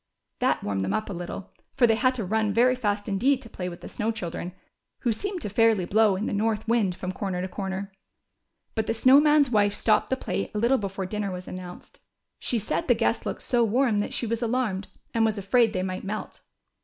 That Avarmed them up a little, for they had to run A^ery fast indeed to play with the Snow Children Avho seemed to fairly bloAV in the north wind from corner to corner. But the Snow Man's wife stopped the play a little before dinner was announced ; she said the guests looked 268 THE CHILDREN'S WONDER BOOK. SO warm that she was alarmed, and was afraid they might melt.